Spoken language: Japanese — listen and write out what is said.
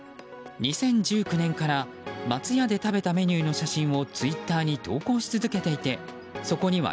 ２０１９年から松屋で食べたメニューの写真をツイッターに投稿し続けていてそこには、